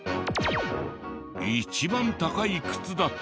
一番高い靴だと。